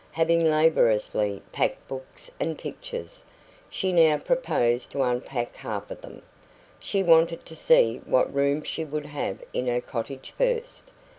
Having laboriously packed books and pictures, she now proposed to unpack half of them. She wanted to see what room she would have in her cottage first.